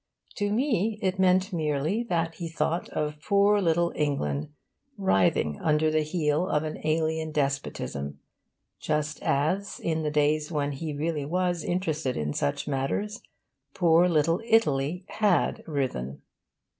To me it meant merely that he thought of poor little England writhing under the heel of an alien despotism, just as, in the days when he really was interested in such matters, poor little Italy had writhen.